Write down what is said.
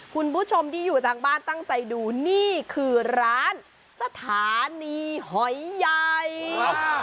คุณผู้ชมที่อยู่ทางบ้านตั้งใจดูนี่คือร้านสถานีหอยใหญ่